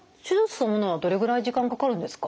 そのものはどれぐらい時間かかるんですか？